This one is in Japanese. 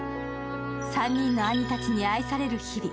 ３人の兄たちに愛される日々。